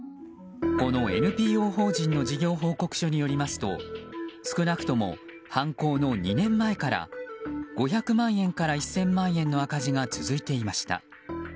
このＮＰＯ法人の事業報告書によりますと少なくとも犯行の２年前から５００万円から１０００万円の赤字が続いていました。